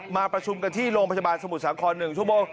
มาประชุมกันที่โรงพยาบาลสมุทรสาคร๑ชั่วโมง